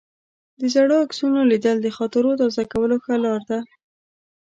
د زړو عکسونو لیدل د خاطرو تازه کولو ښه لار ده.